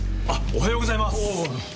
おはようございます。